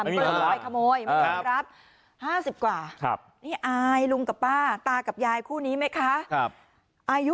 ขโมยขโมยครับ๕๐กว่าครับนี่อายลุงกับป้าตากับยายคู่นี้ไหมคะครับอายุ